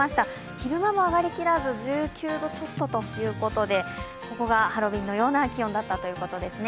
昼間も上がりきらず１９度ちょっとということでここがハロウィーンのような気温だったということですね。